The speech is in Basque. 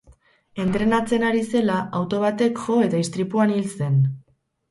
Entrenatzen ari zela, auto batek jo eta istripuan hil zen.